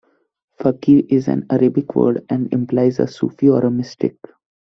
Fakir is an Arabic word, and implies a Sufi or a mystic.